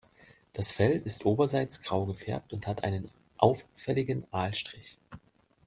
Das Fell ist oberseits grau gefärbt und hat einen auffälligen Aalstrich.